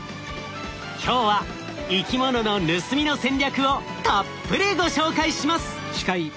今日は生き物の「盗み」の戦略をたっぷりご紹介します！